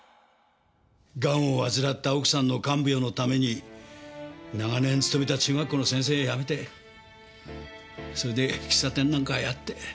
ガンを患った奥さんの看病のために長年勤めた中学校の先生辞めてそれで喫茶店なんかやって。